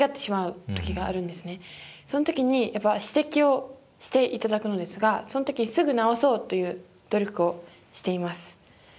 その時にやっぱ指摘をしていただくんですがその時すぐ直そうという努力をしています。